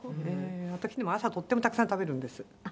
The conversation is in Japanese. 私でも朝とってもたくさん食べるんです。